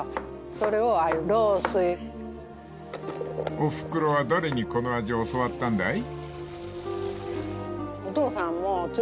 ［おふくろは誰にこの味を教わったんだい？］